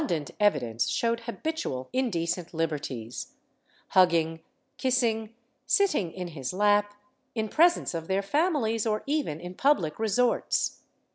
YI} MORALITY DISREGARDED 115 evidence showed habitual indecent hberties — hugging, kissing, sitting in his lap, in presence of their families or even in public resorts.